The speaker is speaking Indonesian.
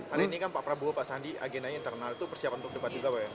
hari ini kan pak prabowo pak sandi agendanya internal itu persiapan untuk debat juga pak ya